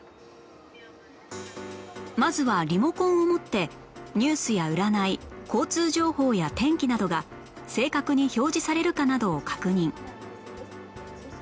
まずはリモコンを持ってニュースや占い交通情報や天気などが正確に表示されるかなどを確認